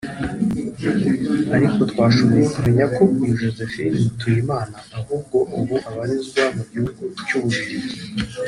Ariko twashoboye kumenya ko uyu Josephine Mutuyimana ahubwo ubu abarizwa mu gihugu cy’u Bubiligi